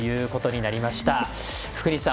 福西さん